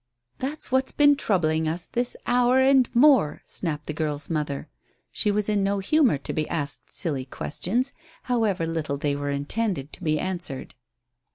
"That's what's been troubling us this hour and more," snapped the girl's mother. She was in no humour to be asked silly questions, however little they were intended to be answered.